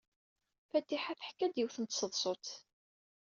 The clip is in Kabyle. Fatiḥa teḥka-d yiwet n tseḍsut.